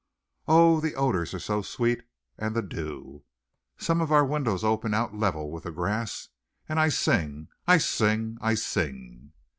Oh, the odors are so sweet, and the dew! Some of our windows open out level with the grass and I sing! I sing!! I sing!!!"